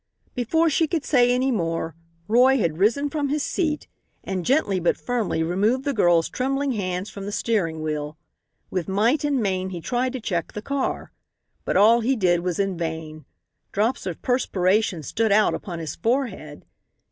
Before she could say any more Roy had risen from his seat, and gently, but firmly, removed the girl's trembling hands from the steering wheel. With might and main he tried to check the car. But all he did was in vain. Drops of perspiration stood out upon his forehead.